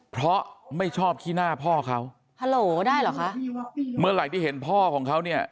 เพราะไม่ชอบขี้หน้าพ่อเขาฮัลโหลได้เหรอคะเมื่อไหร่ที่เห็นพ่อของเขาเนี่ย